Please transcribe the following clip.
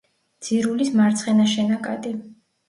ძირულის მარცხენა შენაკადი.